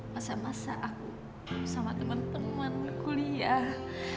masa masa aku sama temen temen kuliah